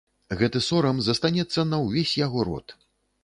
Гэты сорам застанецца на ўвесь яго род.